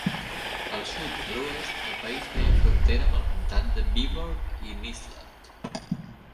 Al sud i a l'oest, el país feia frontera amb el comtat de Viborg i Nyslott.